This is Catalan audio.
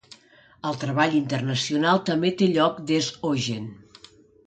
El treball internacional també té lloc des Auggen.